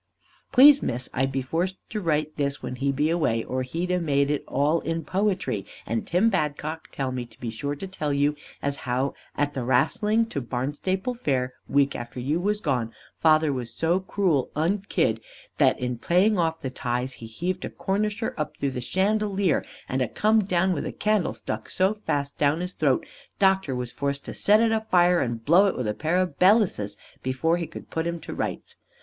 "Please Miss I be forced to write this when he be away, or he'd a made it all in poetry; and Tim Badcock tell me to be sure to tell you as how at the wrastling to Barnstaple fair, week after you was gone, father was so crule unkid that in playing off the ties he heaved a Cornisher up through the chandelier, and a come down with a candle stuck so fast down his throat doctor was forced to set it a fire and blow with a pair of bellises afore he could put him to rights.